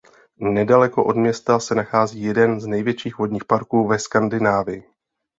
Nedaleko od města se nachází jeden z největších vodních parků ve Skandinávii.